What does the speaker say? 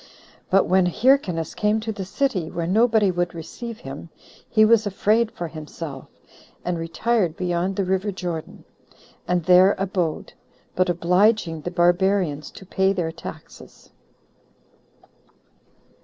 But when Hyrcanus came to the city, where nobody would receive him, he was afraid for himself, and retired beyond the river Jordan, and there abode, but obliging the barbarians to pay their taxes.